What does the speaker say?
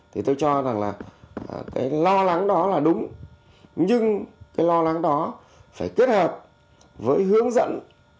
thì tôi cho rằng là cái lo lắng đó là đúng nhưng cái lo lắng đó phải kết hợp với hướng dẫn